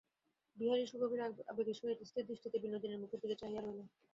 বিহারী সুগভীর আবেগের সহিত স্থিরদৃষ্টিতে বিনোদিনীর মুখের দিকে চাহিয়া রহিল।